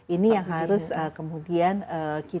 ini yang harus kemudian kita